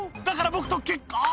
だから僕とけっ」